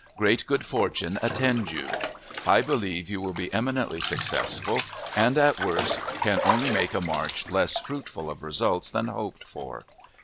Great good fortune attend you! I believe you will be eminently successful, and, at worst, can only make a march less fruitful of results than hoped for.